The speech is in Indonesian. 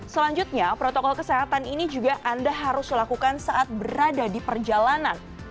selanjutnya protokol kesehatan ini juga anda harus lakukan saat berada di perjalanan